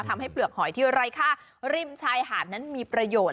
เปลือกหอยที่ไร้ค่าริมชายหาดนั้นมีประโยชน์